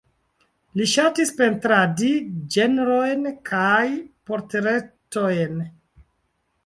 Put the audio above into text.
Li ŝatis pentradi ĝenrojn kaj portretojn.